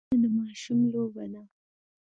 لاسونه د ماشوم لوبه ده